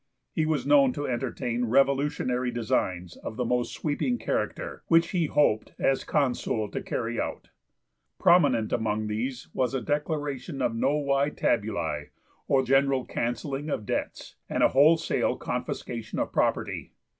He was known to entertain revolutionary designs of the most sweeping character, which he hoped as Consul to carry out. Prominent among these was a declaration of novae tabulae, or general cancelling of debts, and a wholesale confiscation of property.